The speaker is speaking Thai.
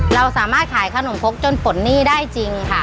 เราสามารถขายขนมคกจนปลดหนี้ได้จริงค่ะ